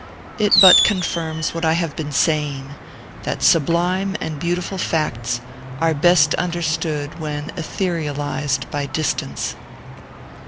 It but confirms what I have been saying, that sublime and beautiful facts are best understood when etherealized by distance.